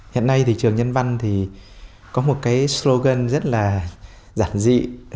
hiện nay thì trường nhân văn thì có một cái slogan rất là giản dị